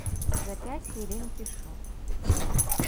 За пяць хвілін пішу.